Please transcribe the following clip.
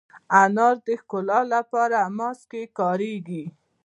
انار د ښکلا لپاره ماسک کې کارېږي.